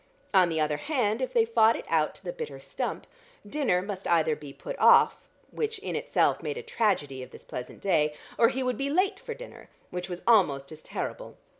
On the other hand, if they fought it out to the bitter stump, dinner must either be put off, which in itself made a tragedy of this pleasant day, or he would be late for dinner, which was almost as terrible.